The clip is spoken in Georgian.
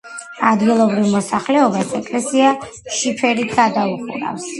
ადგილობრივ მოსახლეობას ეკლესია შიფერით გადაუხურავს.